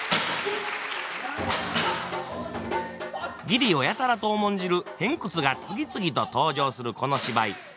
義理をやたらと重んじる偏屈が次々と登場するこの芝居。